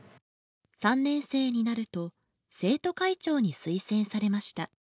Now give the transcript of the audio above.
３年生になると生徒会長に推薦されました。